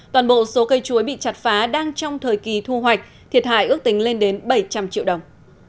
toàn bộ số cây chuối bị chặt phá đang trong thời kỳ thu hoạch thiệt hại ước tính lên đến bảy trăm linh triệu đồng